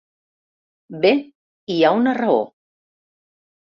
Bé, hi ha una raó.